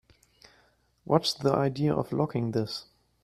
What's the idea of locking this?